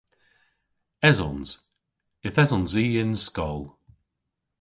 Esons. Yth esons i y'n skol.